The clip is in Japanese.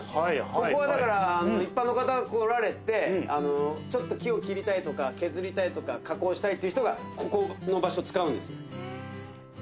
ここはだから一般の方来られてちょっと木を切りたいとか削りたいとか加工したいって人がここの場所使うんですよ。へ。